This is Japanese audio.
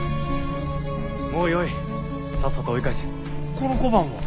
この小判は？